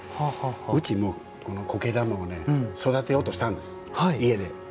うちも、この苔玉を育てようとしたんです家で。